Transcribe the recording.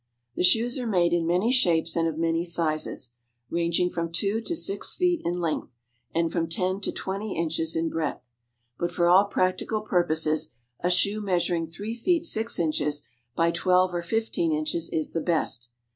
The shoes are made in many shapes and of many sizes, ranging from two to six feet in length, and from ten to twenty inches in breadth. But for all practical purposes a shoe measuring three feet six inches by twelve or fifteen inches is the best.